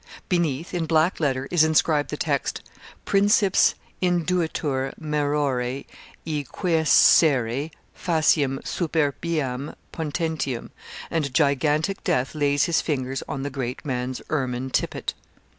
Beneath, in black letter, is inscribed the text 'Princeps induetur maerore et quiescere faciam superbiam potentium' and gigantic Death lays his fingers on the great man's ermine tippet.